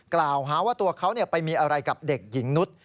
กล่าวหาว่าตัวเขาไปมีอะไรกับเด็กหญิงนุษย์